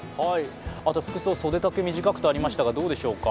あと服装、袖丈短くとありましたが、どうでしょうか？